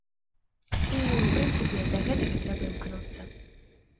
І, у прынцыпе, да гэтага трэба імкнуцца.